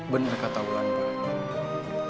benar kata allah